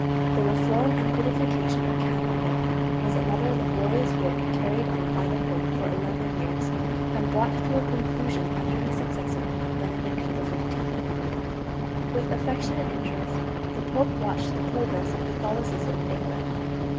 The reform and codification of canon law was another laborious work carried on by the pope for eleven years, and brought to a conclusion under his successor Benedict XV. With affectionate interest the pope watched the progress of Catholicism in England.